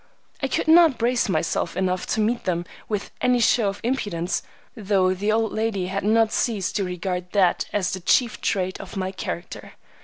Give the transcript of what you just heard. I could not brace myself enough to meet them with any show of impudence, though the old lady had not ceased to regard that as the chief trait of my character.